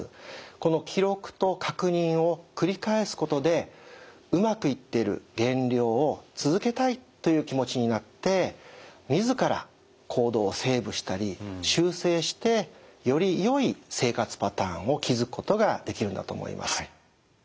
この記録と確認を繰り返すことでうまくいっている減量を続けたいという気持ちになって自ら行動をセーブしたり修正してよりよい生活パターンを築くことができるんだと思います。